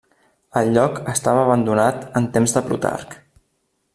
El lloc estava abandonat en temps de Plutarc.